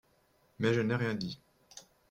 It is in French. Mais je n’ai rien dit